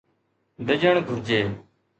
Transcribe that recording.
ڊڄڻ گهرجي.